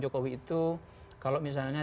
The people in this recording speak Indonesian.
jokowi itu kalau misalnya